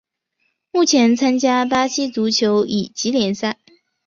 目前参加巴西足球乙级联赛。